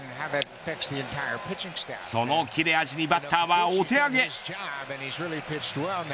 その切れ味にバッターはお手上げ。